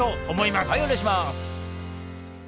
はいお願いします。